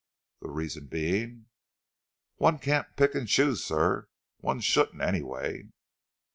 "The reason being?" "One can't pick and choose, sir. One shouldn't, anyway."